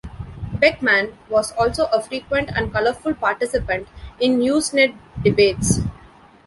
Beckmann was also a frequent and colorful participant in Usenet debates.